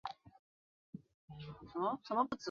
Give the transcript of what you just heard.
在美国已经不再使用此抗生素。